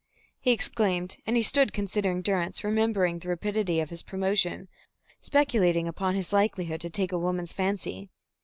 he exclaimed, and he stood considering Durrance, remembering the rapidity of his promotion, speculating upon his likelihood to take a woman's fancy.